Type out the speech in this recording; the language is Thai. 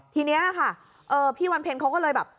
ทีนี้ค่ะพี่วันเพ็ญเขาก็เลยแบบ